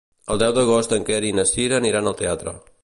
El deu d'agost en Quer i na Cira aniran al teatre.